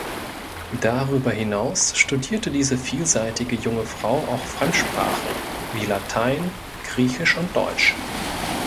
Darüber hinaus studierte diese vielseitige junge Frau auch Fremdsprachen, wie Latein, Griechisch und Deutsch.